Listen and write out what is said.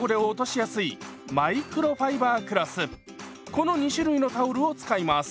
この２種類のタオルを使います。